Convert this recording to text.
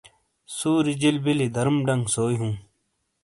سُوری جیل بیلی درم ڈنگ سوئیی ہوں ۔